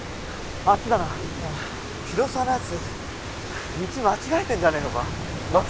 あっちだな広沢のやつ道間違えてんじゃねえのか？